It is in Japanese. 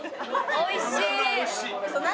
おいしい！